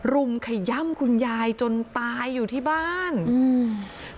รุมขย่ำคุณยายจนตายอยู่ที่บ้านอืม